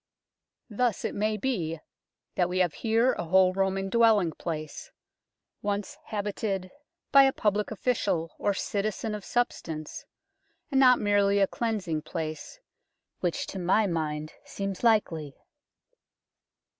Thus it may be LONDON'S ROMAN BATHS 103 that we have here a whole Roman dwelling place, once habited by a public official or citizen of substance, and not merely a cleansing place, which to my mind seems likely.